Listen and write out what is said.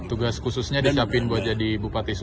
tugas khususnya disiapkan buat jadi bupati sumber